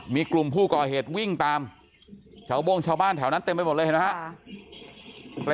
มีกลุ่มผู้ก่อเหตุวิ่งตามชาวโบ้งชาวบ้านแถวนั้นเต็มไปหมดเลยเห็นไหมครับ